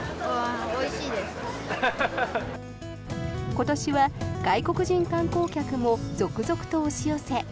今年は外国人観光客も続々と押し寄せ